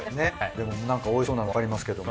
でもなんかおいしそうなのもわかりますけども。